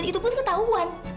dan itu pun ketahuan